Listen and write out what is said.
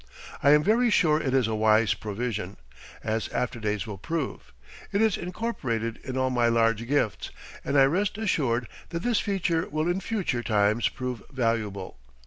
I am very sure it is a wise provision, as after days will prove. It is incorporated in all my large gifts, and I rest assured that this feature will in future times prove valuable.